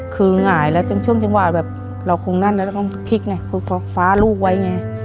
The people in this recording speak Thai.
คือหงายแล้วจนช่วงจังหวะแบบเราคงนั่นแล้วเราต้องพลิกไงฟ้าลูกไว้ไง